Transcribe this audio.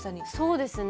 そうですね。